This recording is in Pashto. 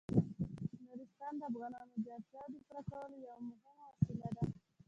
نورستان د افغانانو د اړتیاوو د پوره کولو یوه مهمه وسیله ده.